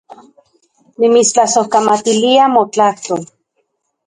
Nimitstlasojkamatilia motlajtol